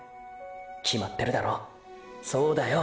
決まってるだろそうだよ。